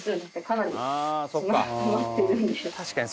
「確かに。